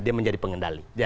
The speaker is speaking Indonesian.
dia menjadi pengendali